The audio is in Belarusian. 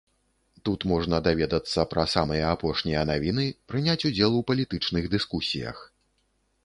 Тут можна даведацца пра самыя апошнія навіны, прыняць удзел у палітычных дыскусіях.